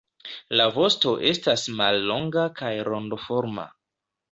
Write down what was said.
La vosto estas mallonga kaj rondoforma.